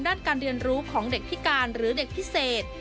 ด้านการเรียนรู้ของเด็กพิการหรือเด็กพิเศษ